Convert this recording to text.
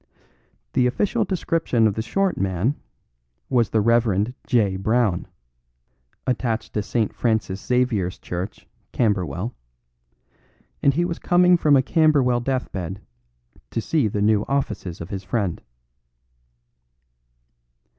The official description of the short man was the Reverend J. Brown, attached to St. Francis Xavier's Church, Camberwell, and he was coming from a Camberwell deathbed to see the new offices of his friend.